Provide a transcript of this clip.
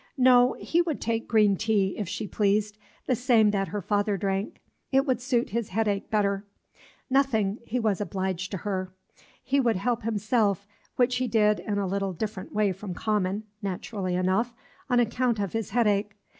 No, he would take green tea, if she pleased, the same that her father drank. It would suit his headache better. Nothing, he was much obliged to her. He would help himself, which he did in a little different way from common, naturally enough, on account of his headache.